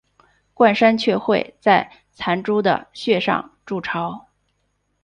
冠山雀会在残株的穴上筑巢。